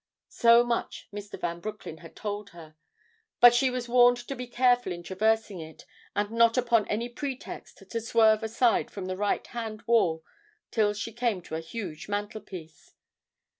So much Mr. Van Broecklyn had told her; but she was warned to be careful in traversing it and not upon any pretext to swerve aside from the right hand wall till she came to a huge mantelpiece.